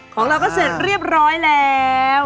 ของเราก็เสร็จเรียบร้อยแล้ว